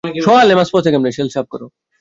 Sell সাফ করো।